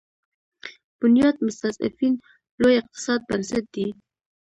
بنیاد مستضعفین لوی اقتصادي بنسټ دی.